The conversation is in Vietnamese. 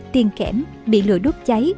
tiền kẻm bị lửa đốt cháy